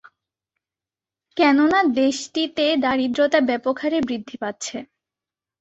কেননা দেশটিতে দারিদ্রতা ব্যাপকহারে বৃদ্ধি পাচ্ছে।